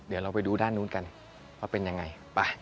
เดี๋ยวเราไปดูด้านนู้นกันว่าเป็นยังไงไป